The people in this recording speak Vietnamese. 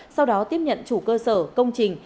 sau đó tiếp nhận chủ cơ sở công trình